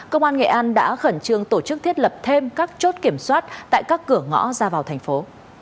công an nghệ an đã khẩn trương tổ chức thiết lập thêm các chốt kiểm soát tại các cửa ngõ ra vào thành phố